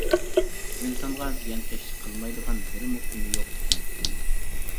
ئىنسانغا زىيانكەشلىك قىلمايدىغان بىرمۇ كۈنى يوق ئىكەن.